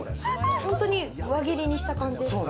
本当に輪切りにした感じ。